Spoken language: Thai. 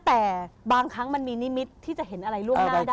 แต่บางครั้งมันมีนิมิตรที่จะเห็นอะไรล่วงหน้าได้